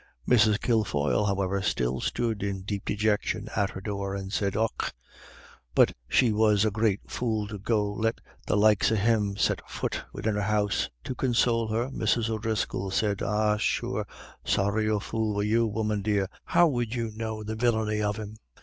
Mrs. Kilfoyle, however, still stood in deep dejection at her door, and said, "Och, but she was the great fool to go let the likes of him set fut widin' her house." To console her Mrs. O'Driscoll said, "Ah, sure, sorra a fool were you, woman dear; how would you know the villiny of him?